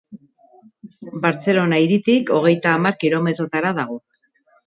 Bartzelona hiritik hogeita hamar kilometrotara dago.